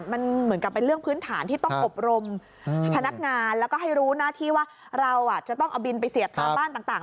มันเหมือนกับเป็นเรื่องพื้นฐานที่ต้องอบรมพนักงานแล้วก็ให้รู้หน้าที่ว่าเราจะต้องเอาบินไปเสียบตามบ้านต่าง